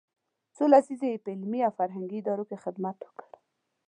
څو لسیزې یې په علمي او فرهنګي ادارو کې خدمت وکړ.